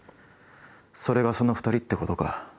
それがその２人ってことか。